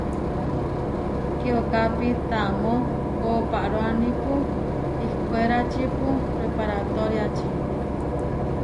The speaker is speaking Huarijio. Kiokápi tamó kooparoánipu ihkwéračipu preparatoriači.